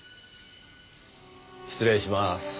失礼します。